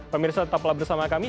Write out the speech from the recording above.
pemirsa tetaplah bersama kami